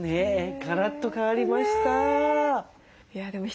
ガラッと変わりました。